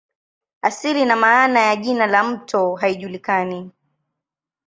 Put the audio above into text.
Asili na maana ya jina la mto haijulikani.